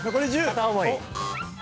片思い。